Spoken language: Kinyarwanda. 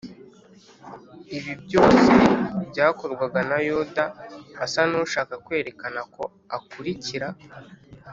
ibi byose byakorwaga na yuda asa n’ushaka kwerekana ko akurikira